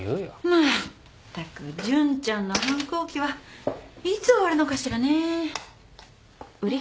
まったく潤ちゃんの反抗期はいつ終わるのかしらね。